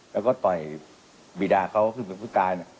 แล้วก็ต่อยบีดาเขาคือเป็นพุทธกาย